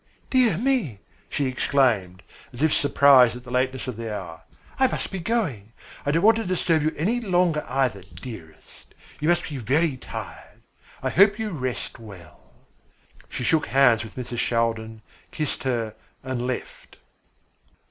"Dear me," she exclaimed, as if surprised at the lateness of the hour. "I must be going. I don't want to disturb you any longer either, dearest. You must be very tired. I hope you rest well." She shook hands with Mrs. Shaldin, kissed her and left.